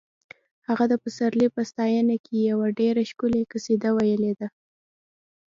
هغه د پسرلي په ستاینه کې یوه ډېره ښکلې قصیده ویلې ده